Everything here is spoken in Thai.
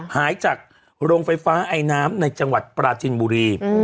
หายจากโรงไฟฟ้าไอน้ำในจังหวัดปราจินบุรี